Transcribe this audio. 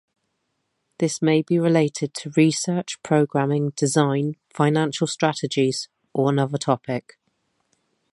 This may be related to research, programming, design, financial strategies or another topic.